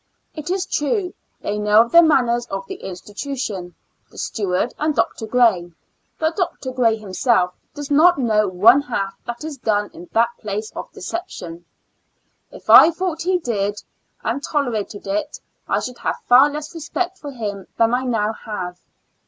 It is true they know the managers of the insti tution, the steward, and Dr. Gray. But Dr. Gray himself does not know one half 1X0 ^"'^ Years and Fo ur Months that is done in that place of deception. If I thought he did, and tolerated it, I should have far less respect for him than I now have.